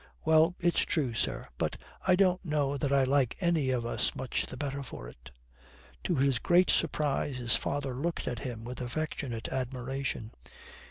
Well, it's true, sir. But I don't know that I like any of us much the better for it." To his great surprise his father looked at him with affectionate admiration.